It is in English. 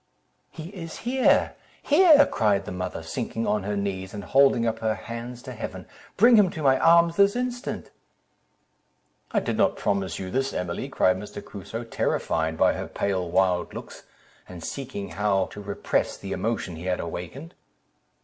"He is here—here!" cried the mother, sinking on her knees, and holding up her hands to Heaven; "bring him to my arms this instant." "I did not promise you this, Emily," cried Mr. Crusoe, terrified by her pale, wild looks, and seeking how to repress the emotion he had awakened.